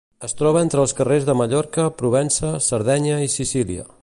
Es troba entre els carrers de Mallorca, Provença, Sardenya i Sicília.